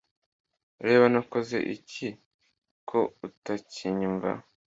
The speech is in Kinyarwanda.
Reba Nakoze iki ko utakinyumva